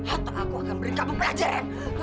atau aku akan beri kamu pelajar